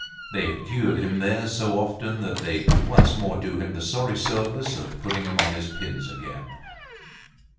They had cured him there so often that they could once more do him the sorry service of putting him on his pins again.